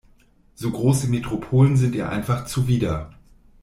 So große Metropolen sind ihr einfach zuwider.